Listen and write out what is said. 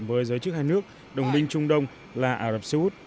với giới chức hai nước đồng minh trung đông là ả rập xê út